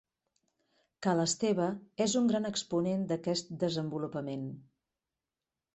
Ca l'Esteve és un gran exponent d'aquest desenvolupament.